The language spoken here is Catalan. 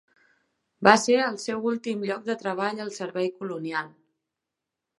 Va ser el seu últim lloc de treball al Servei Colonial.